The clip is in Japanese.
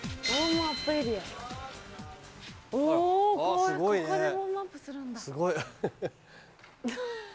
おここでウォームアップするんだ。